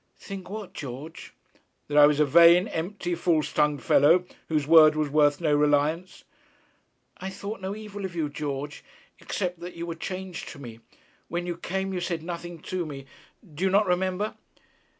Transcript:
'Think what, George?' 'That I was a vain, empty, false tongued fellow, whose word was worth no reliance.' 'I thought no evil of you, George, except that you were changed to me. When you came, you said nothing to me. Do you not remember?'